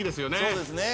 そうですね。